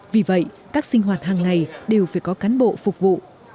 vì vậy các sinh hoạt hàng ngày đều phải có cán bộ phục vụ